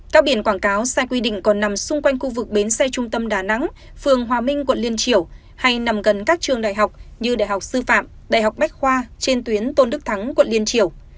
các biển quảng cáo sai quy định còn nằm xung quanh khu vực bến xe trung tâm đà nẵng phường hòa minh quận liên triểu hay nằm gần các trường đại học như đại học sư phạm đại học bách khoa trên tuyến tôn đức thắng quận liên triều